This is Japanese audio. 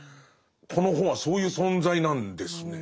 この本はそういう存在なんですね。